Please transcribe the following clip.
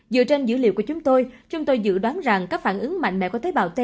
dựa trên dữ liệu của chúng tôi chúng tôi dự đoán rằng các phản ứng mạnh mẽ của tế bào ta